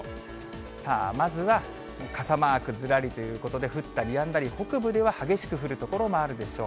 さあ、まずは傘マークずらりということで、降ったりやんだり、北部では激しく降る所もあるでしょう。